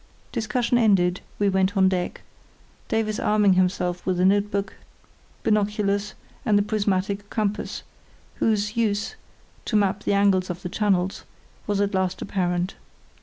Discussion ended, we went on deck, Davies arming himself with a notebook, binoculars, and the prismatic compass, whose use—to map the angles of the channels—was at last apparent.